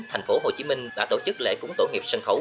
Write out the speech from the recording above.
thành phố hồ chí minh đã tổ chức lễ cúng tổ nghiệp sân khấu